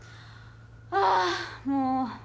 ああもう。